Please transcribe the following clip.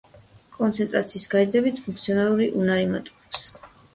კონცენტრაციის გადიდებით ფუნქციონალური უნარი მატულობს.